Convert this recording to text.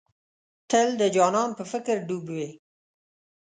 تل د جانان په فکر ډوب وې.